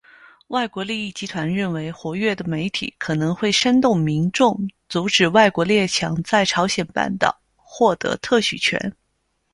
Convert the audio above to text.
外国利益集团认为活跃的媒体可能会煽动民众阻止外国列强在朝鲜半岛获得特许权。